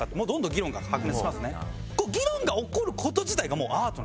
議論が起こる事自体がもうアートなんですね。